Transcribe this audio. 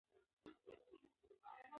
آیا کاناډا یو پرمختللی اقتصادي هیواد نه دی؟